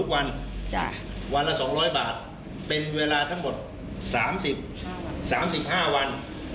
วันวันละ๒๐๐บาทเป็นเวลาทั้งหมด๓๕วัน